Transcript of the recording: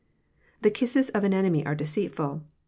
The kisses of an enemy are deceitful.